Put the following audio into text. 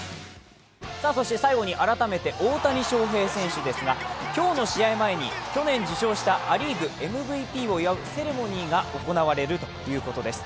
最後に改めて大谷翔平選手ですが、今日の試合前に去年受賞したア・リーグＭＶＰを祝うセレモニーが行われるということです。